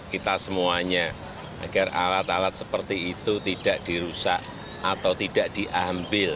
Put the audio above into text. kita semuanya agar alat alat seperti itu tidak dirusak atau tidak diambil